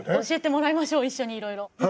教えてもらいましょう一緒にいろいろ。